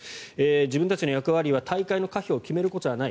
自分たちの役割は大会の可否を決めることではない。